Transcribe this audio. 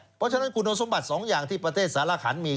เพราะฉะนั้นคุณสมบัติสองอย่างที่ประเทศสารขันมี